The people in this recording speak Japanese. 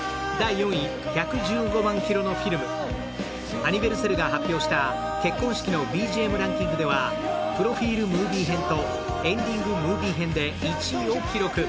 アニヴェルセルが発表した結婚式のＢＧＭランキングではプロフィールムービー編とエンディングムービー編で１位を記録。